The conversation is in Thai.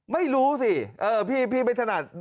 ไม่รู้สิพี่ไม่ถนัด